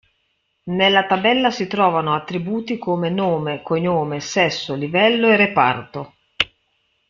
Nella tabella si trovano attributi come Nome, Cognome, Sesso, Livello, Reparto.